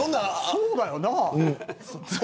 そうだよな。